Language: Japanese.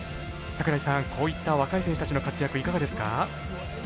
こういった若い選手たちの活躍いかがですか？